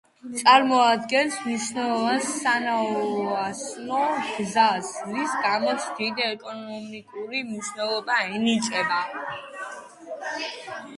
წარმოადგენს მნიშვნელოვან სანაოსნო გზას, რის გამოც დიდი ეკონომიკური მნიშვნელობა ენიჭება.